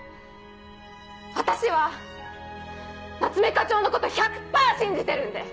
私は夏目課長のこと１００％信じてるんで！